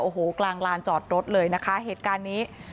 โอ้โหกลางลานจอดรถเลยนะคะเหตุการณ์นี้